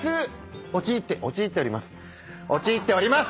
陥って陥っております。